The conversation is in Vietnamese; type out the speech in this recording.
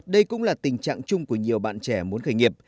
đây cũng là tình trạng chung của nhiều bạn trẻ muốn khởi nghiệp